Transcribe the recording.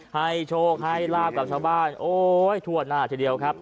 ให้โชคให้ลาบกับชาวบ้านโอ๊ยทั่วหน้าทีเดียวครับ